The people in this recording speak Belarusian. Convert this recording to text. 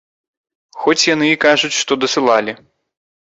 Хоць яны і кажуць, што дасылалі.